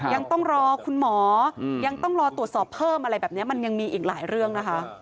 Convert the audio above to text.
ยังต้องรอคุณหมอยังต้องรอตรวจสอบเพิ่มอะไรแบบนี้มันยังมีอีกหลายเรื่องนะคะ